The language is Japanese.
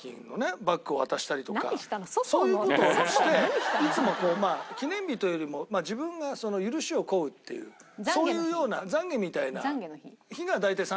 そういう事をしていつも記念日というよりも自分が許しを請うっていうそういうような懺悔みたいな日が大体３６５日あるわけですよ。